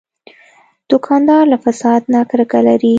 دوکاندار له فساد نه کرکه لري.